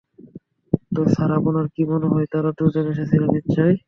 তো স্যার, আপনার কী মনে হয়, তারা দুইজন এসেছিল নিশ্চয়ই?